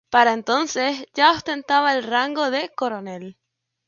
Para entonces ya ostentaba el rango de coronel.